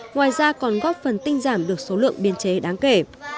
ngoài ra còn góp phần tinh giảm được số lượng biên chế đáng kể